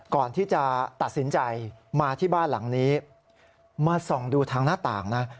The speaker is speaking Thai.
ก่อนที่จะตัดสินใจมาที่บ้านหลังนี้มาส่องดูทางหน้าต่างนะ